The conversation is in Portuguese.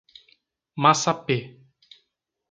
Massapê